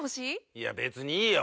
いや別にいいよ